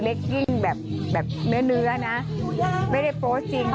เล็กกิ้งแบบเนื้อนะไม่ได้โปรดจริงนะ